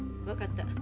わかった。